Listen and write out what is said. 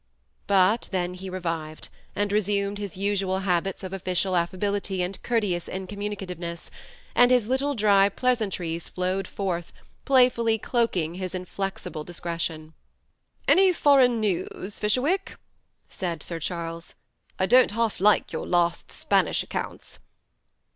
But then he revived, and re sumed his usual habits of official affability and cour teous incommunicativeness, and his little dry pleas antries flowed forth, playfully cloaking his inflexible discretion, '* Any foreign news, Fisherwick ?said Sir Charles. ^' I don't half like your last Spanish accounts."